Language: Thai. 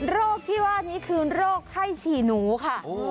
โรคที่ว่านี้คือโรคไข้ฉี่หนูค่ะ